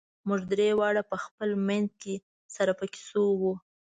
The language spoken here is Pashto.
موږ درې واړه په خپل منځ کې سره په کیسو وو.